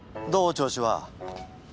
調子は。